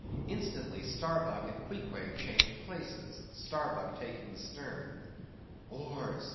Instantly Starbuck and Queequeg changed places; Starbuck taking the stern. "Oars!